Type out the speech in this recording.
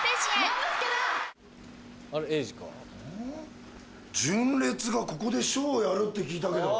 えいじか。がここでショーやるって聞いたけど。